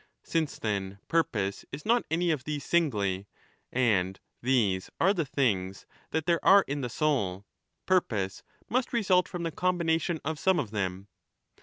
Since, then, purpose is not any of these singly, and these are the things that there are in the soul, purpose must result from the combination of some of them.